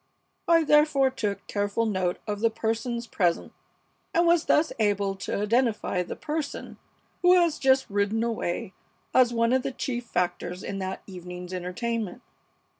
I therefore took careful note of the persons present, and was thus able to identify the person who has just ridden away as one of the chief factors in that evening's entertainment.